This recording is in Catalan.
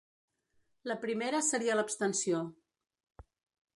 La primera seria l’abstenció.